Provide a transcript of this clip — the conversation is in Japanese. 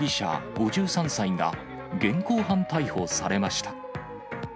５３歳が、現行犯逮捕されました。